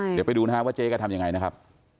เดี๋ยวไปดูนะฮะว่าเจ๊ก็ทำยังไงนะครับ